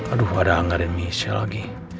aduh ada angga dan michelle lagi